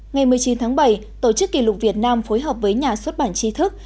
ngày một mươi chín tháng bảy tổ chức kỷ lục việt nam phối hợp với nhà xuất bản tri thức